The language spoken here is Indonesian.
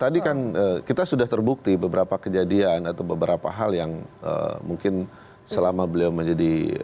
tadi kan kita sudah terbukti beberapa kejadian atau beberapa hal yang mungkin selama beliau menjadi